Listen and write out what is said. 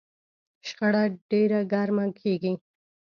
شخړه ډېره ګرمه کېږي.